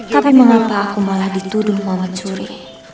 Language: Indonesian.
tapi mengapa aku malah dituduh mau mencuri